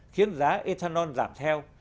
khiến giá ethanol giảm theo